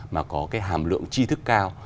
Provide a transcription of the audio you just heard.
mà có cái hàm lượng chi thức cao